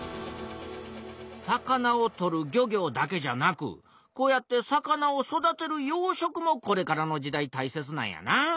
魚を取る漁業だけじゃなくこうやって魚を育てる養殖もこれからの時代たいせつなんやなあ。